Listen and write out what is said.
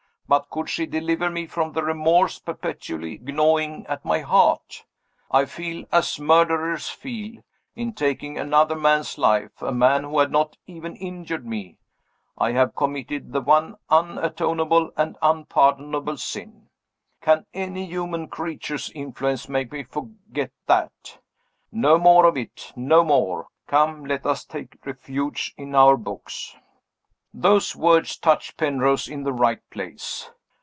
But could she deliver me from the remorse perpetually gnawing at my heart? I feel as murderers feel. In taking another man's life a man who had not even injured me! I have committed the one unatonable and unpardonable sin. Can any human creature's influence make me forget that? No more of it no more. Come! Let us take refuge in our books." Those words touched Penrose in the right place.